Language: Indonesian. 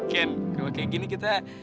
ken kalau kayak gini kita